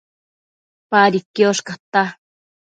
Padi quiosh cata